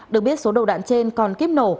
được biết số đầu đạn trên còn kíp nổ